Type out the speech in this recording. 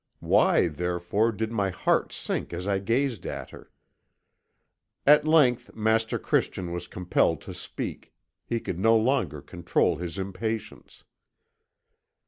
Why, therefore, did my heart sink as I gazed at her? "At length Master Christian was compelled to speak; he could no longer control his impatience.